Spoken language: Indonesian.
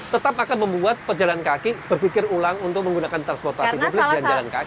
tetap akan membuat pejalan kaki berpikir ulang untuk menggunakan transportasi publik dan jalan kaki